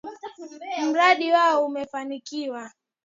Mradi wao umefanikiwa